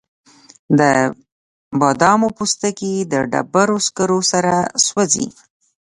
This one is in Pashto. د بادامو پوستکي د ډبرو سکرو سره سوځي؟